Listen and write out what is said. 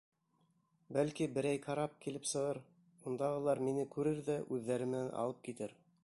Бәлки, берәй карап килеп сығыр, ундағылар мине күрер ҙә үҙҙәре менән алып китер.